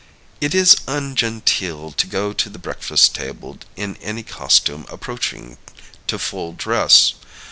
It is ungenteel to go to the breakfast table in any costume approaching to full dress.